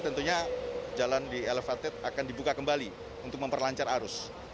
tentunya jalan di elevated akan dibuka kembali untuk memperlancar arus